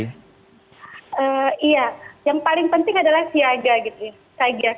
iya yang paling penting adalah siaga gitu ya